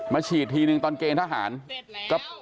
มาฉีดทีนึงตอนเกณฑ์ทหารเสร็จแล้ว